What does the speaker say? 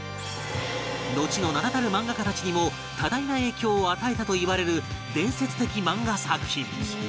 のちの名だたる漫画家たちにも多大な影響を与えたといわれる伝説的漫画作品